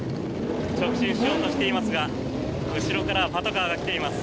直進しようとしていますが後ろからパトカーが来ています。